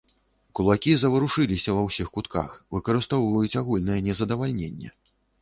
Кулакі заварушыліся ўва ўсіх кутках, выкарыстоўваюць агульнае нездавальненне.